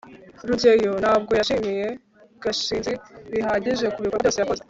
rugeyo ntabwo yashimiye gashinzi bihagije kubikorwa byose yakoze